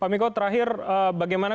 pak miko terakhir bagaimana